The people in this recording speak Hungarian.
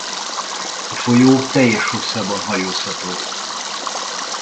A folyó teljes hosszában hajózható.